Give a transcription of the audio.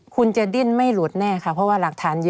คุณจะดิ้นไม่หลุดแน่ค่ะเพราะว่าหลักฐานเยอะ